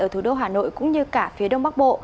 ở thủ đô hà nội cũng như cả phía đông bắc bộ